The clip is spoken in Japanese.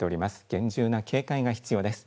厳重な警戒が必要です。